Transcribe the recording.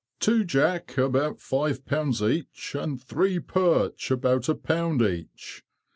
"Two jack, about five pounds each, and three perch, about a pound each.